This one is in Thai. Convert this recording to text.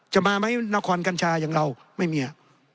จะมาไหมนครกัญชาอย่างเราไม่มี